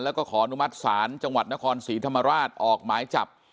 แล้วก็ขออนุมัติศาลจังหวัดนครศรีธรรมราชออกหมายจับ